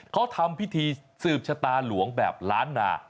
เขาทำพิธีสืบชะตาหลวงแบบล้านนา